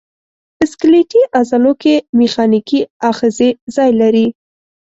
په سکلیټي عضلو کې میخانیکي آخذې ځای لري.